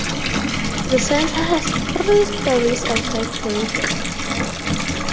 The centre has three storeys of red brick.